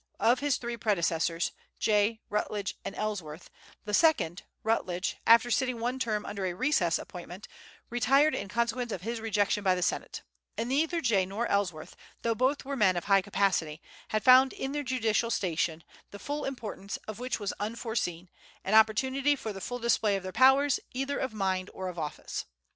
Of his three predecessors, Jay, Rutledge, and Ellsworth, the second, Rutledge, after sitting one term under a recess appointment, retired in consequence of his rejection by the Senate; and neither Jay nor Ellsworth, though both were men of high capacity, had found in their judicial station, the full importance of which was unforeseen, an opportunity for the full display of their powers, either of mind or of office.